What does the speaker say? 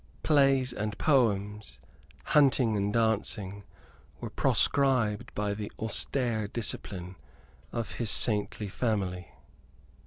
Plays and poems, hunting and dancing, were proscribed by the austere discipline of his saintly family.